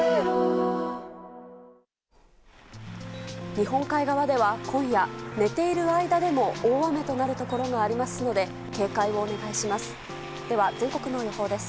日本海側では今夜、寝ている間でも大雨となるところがありますので警戒をお願いします。